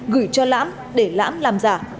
gửi cho lãm để lãm làm giả